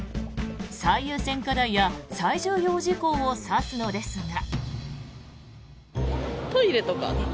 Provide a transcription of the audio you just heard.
最優先課題や最重要事項を指すのですが。